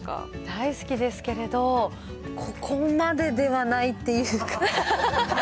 大好きですけれど、ここまでではないっていうか。